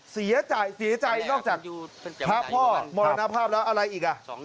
เสียใจนอกจากพระพ่อมรณภาพแล้วอะไรอีก